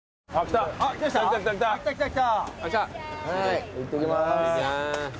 いってきます。